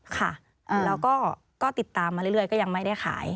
ค่ะแล้วก็ติดตามมาเรื่อยก็ยังไม่ได้ขาย